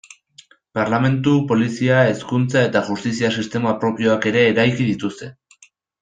Parlementu, polizia, hezkuntza eta justizia sistema propioak ere eraiki dituzte.